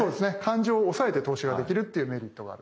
感情を抑えて投資ができるっていうメリットがある。